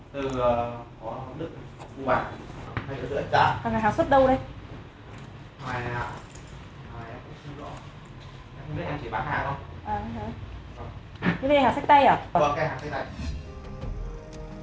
xin chào và hẹn gặp lại